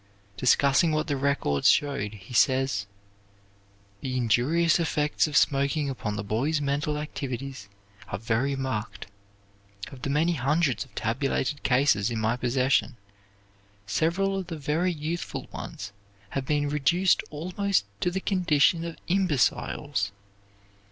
Discussing what the records showed, he says: "The injurious effects of smoking upon the boy's mental activities are very marked. Of the many hundreds of tabulated cases in my possession, several of the very youthful ones have been reduced almost to the condition of imbeciles.